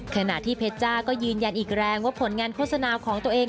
ขณะที่เพชรจ้าก็ยืนยันอีกแรงว่าผลงานโฆษณาของตัวเอง